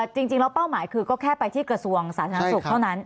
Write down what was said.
จริงแล้วเป้าหมายคือก็แค่ไปที่กระทรวงสาธารณสุขเท่านั้น